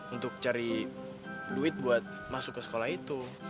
untuk cari duit buat masuk ke sekolah itu